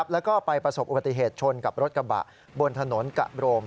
แล้วก็ไปประสบอุบัติเหตุชนกับรถกระบะบนถนนกะโรม